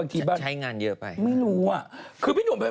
อ๋อคือมันคือไหนคนรู้